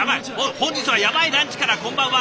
本日はヤバイランチからこんばんは。